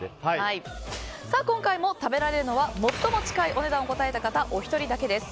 今回も食べられるのは最も近いお値段を答えた方お一人だけです。